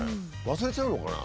忘れちゃうのかな？